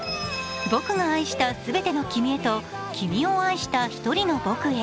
「僕が愛したすべての君へ」と「君を愛したひとりの僕へ」。